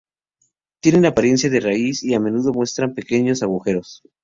Tienen apariencia de raíz y a menudo muestran pequeños agujeros.